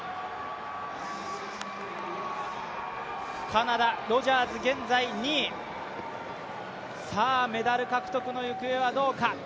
カナダ、ロジャーズ、現在２位メダル獲得の行方はどうか。